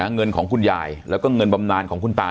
เงินของคุณยายแล้วก็เงินบำนานของคุณตา